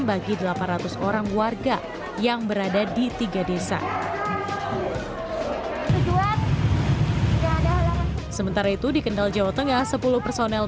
bagi delapan ratus orang warga yang berada di tiga desa sementara itu di kendal jawa tengah sepuluh personel